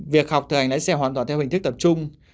việc học thực hành lái xe hoàn toàn theo hình thức tập trung